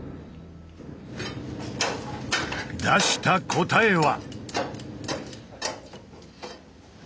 出した答えは。